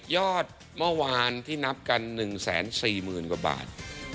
อดเมื่อวานที่นับกัน๑๔๐๐๐กว่าบาท